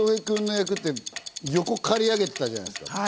君の役って横、刈り上げてたじゃないですか。